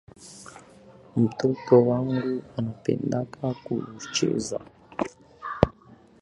Mtoto wangu anapenda kucheza